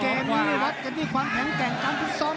แค่นี้รักจะมีความแข็งแกร่งคำคุณสอง